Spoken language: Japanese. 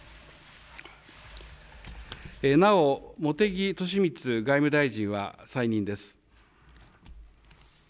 なお、茂木敏充外務大臣は再任です。